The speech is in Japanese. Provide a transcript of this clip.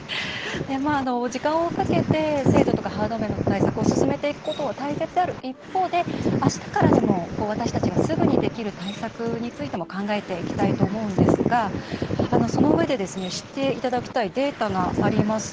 時間をかけて制度とかハード面の対策を進めていくことは大切である一方であしたからでも、私たちがすぐにできる対策についても考えていきたいと思うんですがそのうえで知っていただきたいデータがあります。